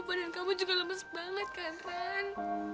badan kamu juga lemes banget kan fran